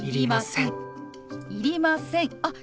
いりませんあっ